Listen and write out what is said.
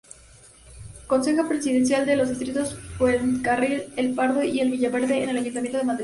Concejal presidente de los distritos Fuencarral-El Pardo y Villaverde en el Ayuntamiento de Madrid.